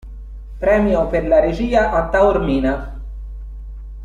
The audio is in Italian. Premio per la regia a Taormina